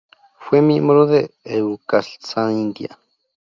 Fue miembro de Euskaltzaindia.